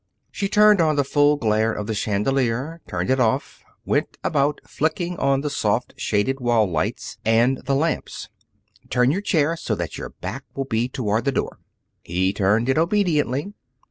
She turned on the full glare of the chandelier, turned it off, went about flicking on the soft shaded wall lights and the lamps. "Turn your chair so that your back will be toward the door." He turned it obediently.